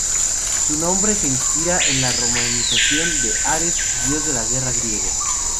Su nombre se inspira en la romanización de Ares, dios de la guerra griego.